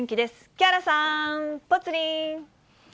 木原さん、ぽつリン。